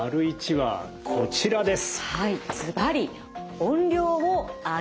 ②はこちらです。